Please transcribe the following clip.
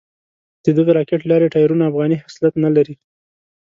ددغې راکېټ لارۍ ټایرونه افغاني خصلت نه لري.